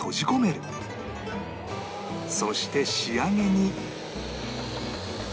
そして仕上げに